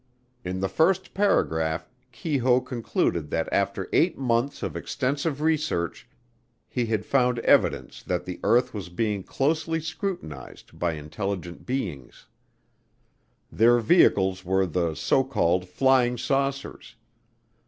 In the first paragraph Keyhoe concluded that after eight months of extensive research he had found evidence that the earth was being closely scrutinized by intelligent beings. Their vehicles were the so called flying saucers.